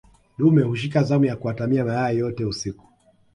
dume hushika zamu ya kuatamia mayai yote usiku